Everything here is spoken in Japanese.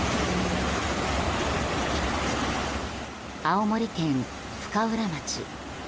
青森県深浦町。